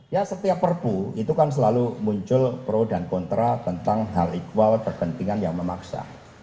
ya setiap perpu itu kan selalu muncul pro dan kontra tentang hal ikhwal kepentingan yang memaksa